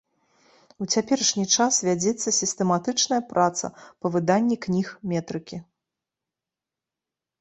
У цяперашні час вядзецца сістэматычная праца па выданні кніг метрыкі.